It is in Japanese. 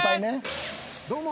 どうも。